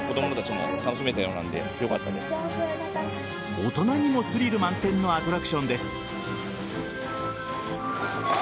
大人にもスリル満点のアトラクションです。